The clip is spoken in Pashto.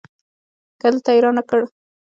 که دلته يي رانه کړ